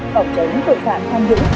cộng chống tội phạm tham nhũng